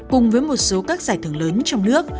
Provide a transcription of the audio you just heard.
cùng với một số các giải thưởng lớn trong nước